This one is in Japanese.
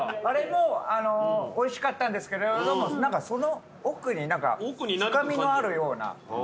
あれもおいしかったんですけど何かその奥に深みのあるような味も。